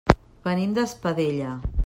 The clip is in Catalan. Venim d'Espadella.